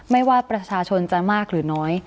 ไม่ว่าประชาชนจะมากหรือน้อย